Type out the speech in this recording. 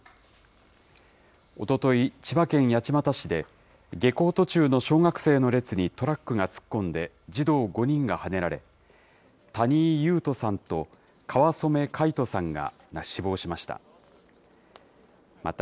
おととい、千葉県八街市で、下校途中の小学生の列にトラックが突っ込んで、児童５人がはねられ、谷井勇斗さんと川染凱仁さんが死亡しました。